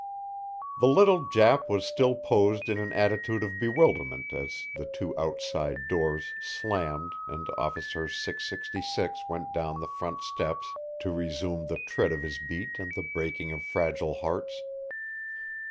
The little Jap was still posed in an attitude of bewilderment as the two outside doors slammed and Officer 666 went down the front steps to resume the tread of his beat and the breaking of fragile hearts.